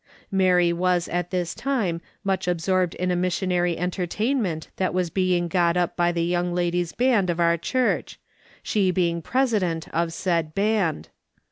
Mary was at this time much absorbed in a mis sionary entertainment that was being got up by the Young Ladies' Band of our Church, she being President of said Band.